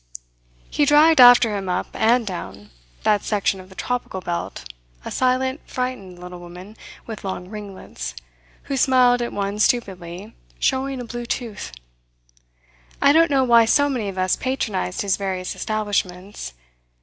He dragged after him up and down that section of the tropical belt a silent, frightened, little woman with long ringlets, who smiled at one stupidly, showing a blue tooth. I don't know why so many of us patronized his various establishments.